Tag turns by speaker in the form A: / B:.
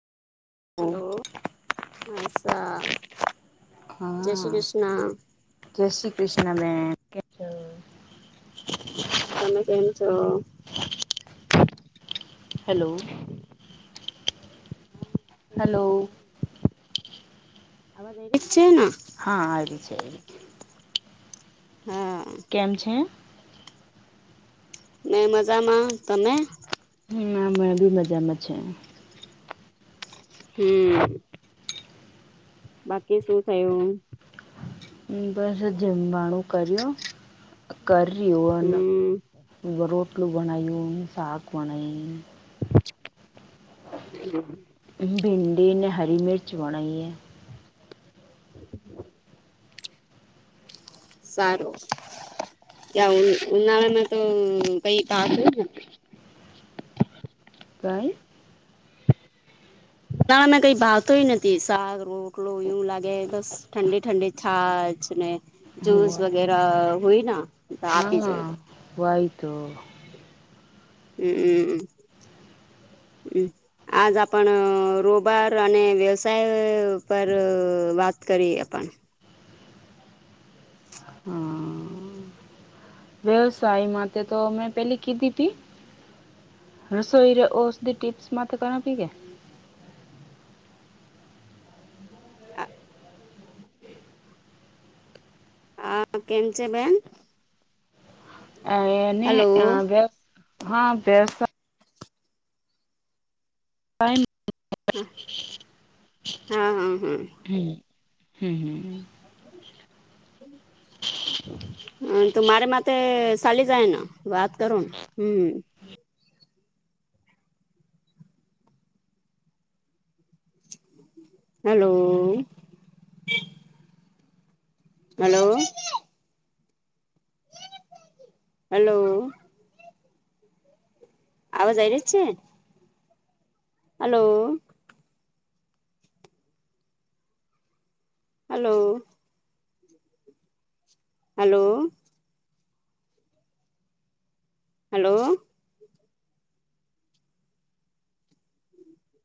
A: ઓ
B: hello અછા
A: હા જય શ્રી કૃષ્ણ બે ન કેમ છો?
B: તમે કેમ છો?
A: હેલો. હલો.
B: આવ દે.
A: હા આવી છે એ છે
B: હા
A: કેમ છે
B: મેં મજામાં તમે
A: ના મેં બી મજામાં છે
B: હમ બાકી શું થયું
A: બસ જમવાણું કર્યું કર્યું અને
B: હમ
A: રોટલો બનાવ્યો શાક બનાવ્યું
B: હ
A: ભિંડી અને હરી મિર્ચ વણાઈએ
B: સારું ઉનાળામાં તો [unintelligible]
A: પ્રઈ
B: ના મેં કઈ ભાવતોય નથી શાક રોટલો એવું લાગે બસ ઠંડી ઠંડી છાશ્ જૂસ વગેરા હોય ના તો આપી
A: હા
B: જયું
A: વાયતો
B: હમ હમ હમ હમ આજ આપણ રોબાર અને વ્યવસાય પર વાત કરી આપ હ
A: હા વ્યવસાય માટે તો મેં પેલી કીધી હતી રસોઈરે ઓસધ ટીપ્સ માત્ર કર આપી કે
B: આ કેમ છે બેન
A: અ એને
B: હલો
A: હા [unintelligible] [inaudible]
B: હા હા હા હમ
A: હમ હ
B: હા તો મારે માટે ચલી જાય ન વાત કરન હમ હલો હલો હલો આવાજ આવી રહ છે હલો હલો હલો હલો